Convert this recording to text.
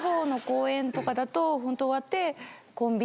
ホント終わって。